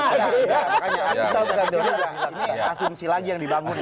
ini asumsi lagi yang dibangun kan